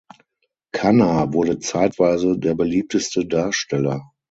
Khanna wurde zeitweise der beliebteste Darsteller.